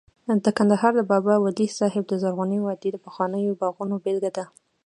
د کندهار د بابا ولی صاحب د زرغونې وادۍ د پخوانیو باغونو بېلګه ده